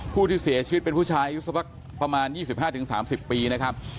ผู้ที่เสียชีวิตเป็นผู้ชายประมาณ๒๕ถึง๓๐ปีนะครับ